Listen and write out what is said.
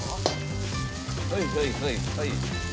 はいはいはいはい！